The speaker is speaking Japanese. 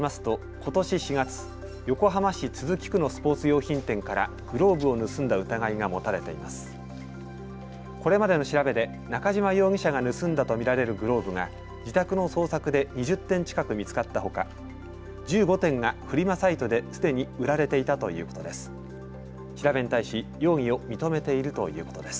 これまでの調べで中島容疑者が盗んだと見られるグローブが自宅の捜索で２０点近く見つかったほか、１５点がフリマサイトですでに売られていたということです。